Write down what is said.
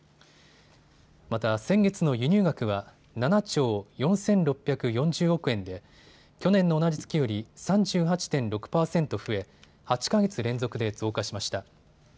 また先月の輸入額は７兆４６４０億円で去年の同じ月より３８．６％増え８か月連続で増加しました。